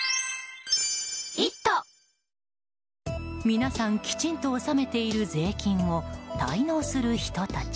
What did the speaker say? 皆さん、きちんと収めている税金を滞納する人たち。